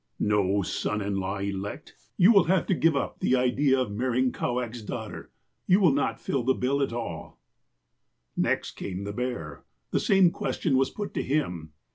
" 'No, son in law elect, you will have to give up the 110 THE APOSTLE OF ALASKA idea of marrying Kowak's daughter. You wiU not fill the bill at all.' "Next came the bear, — the same question was put to him.